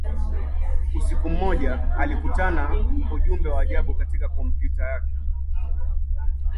Usiku mmoja, alikutana ujumbe wa ajabu katika kompyuta yake.